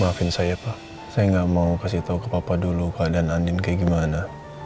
maafin saya pak saya gak mau kasih tahu ke papa dulu keadaan andin kayak gimana